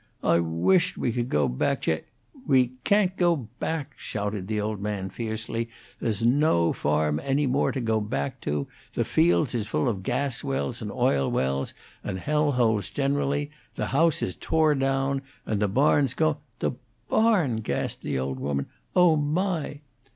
I wisht we could go back, Ja " "We can't go back!" shouted the old man, fiercely. "There's no farm any more to go back to. The fields is full of gas wells and oil wells and hell holes generally; the house is tore down, and the barn's goin' " "The barn!" gasped the old woman. "Oh, my!"